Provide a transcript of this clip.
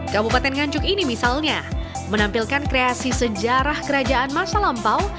kabupaten nganjuk ini misalnya menampilkan kreasi sejarah kerajaan masa lampau